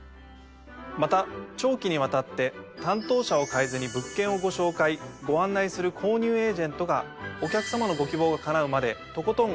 また長期にわたって担当者を変えずに物件をご紹介ご案内する購入エージェントがお客様の。